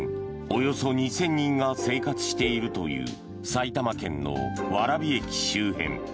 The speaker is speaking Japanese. およそ２０００人が生活しているという埼玉県の蕨駅周辺。